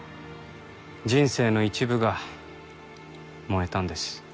人生の一部が燃えたんです。